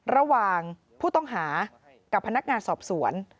ระหว่างผู้ต้องหากับพนักงานสอบสวน